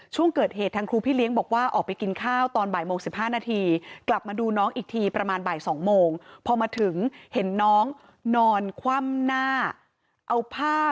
ช่วงเกิดเหตุทางครูพี่เลี้ยงบอกว่าออกไปกินข้าวตอนบ่ายโมง๑๕นาที